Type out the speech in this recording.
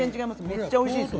めっちゃおいしいです。